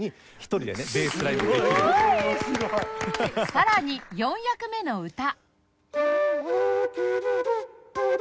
さらに４役目の歌